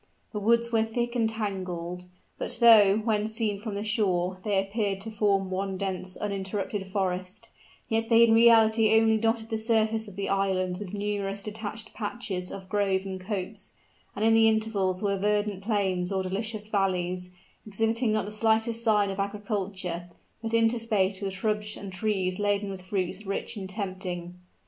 The woods were thick and tangled; but though, when seen from the shore, they appeared to form one dense, uninterrupted forest, yet they in reality only dotted the surface of the islands with numerous detached patches of grove and copse; and in the intervals were verdant plains or delicious valleys, exhibiting not the slightest sign of agriculture, but interspersed with shrubs and trees laden with fruits rich and tempting.